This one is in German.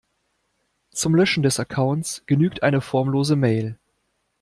Zum Löschen des Accounts genügt eine formlose Mail.